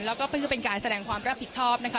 แล้วก็นั่นก็เป็นการแสดงความรับผิดชอบนะคะ